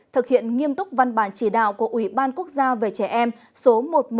thực hiện nghiêm túc văn bản chỉ đạo của ủy ban quốc gia về trẻ em số một nghìn một trăm hai mươi ba